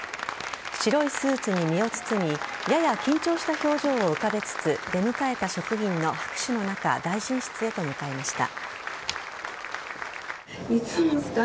白いスーツに身を包みやや緊張した表情を浮かべつつ出迎えた職員の拍手の中大臣室へと向かいました。